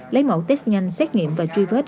lấy mẫu test nhanh xét nghiệm và truy vết